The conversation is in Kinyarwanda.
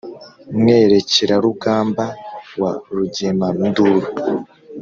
Mwerekerarugamba wa Rugemanduru,